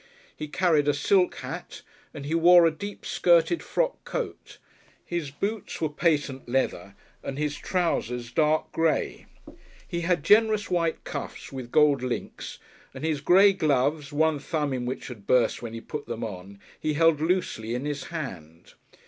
He carried a silk hat, and he wore a deep skirted frock coat, his boots were patent leather and his trousers dark grey. He had generous white cuffs with gold links, and his grey gloves, one thumb in which had burst when he put them on, he held loosely in his hand.